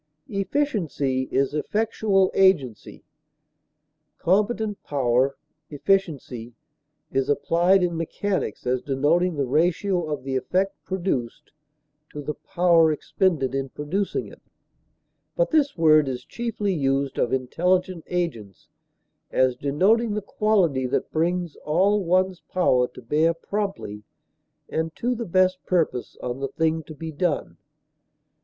Efficiency is effectual agency, competent power; efficiency is applied in mechanics as denoting the ratio of the effect produced to the power expended in producing it; but this word is chiefly used of intelligent agents as denoting the quality that brings all one's power to bear promptly and to the best purpose on the thing to be done.